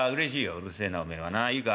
「うるせえなおめえはないいか？